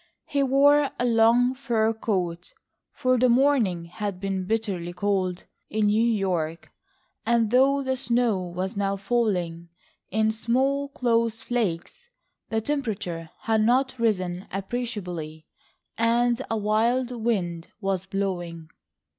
He wore a long fur coat, for the morning had been bitterly cold in New York, and though the snow was now falling in small close flakes, the temperature had not risen appreciably, and a wild wind was blowing.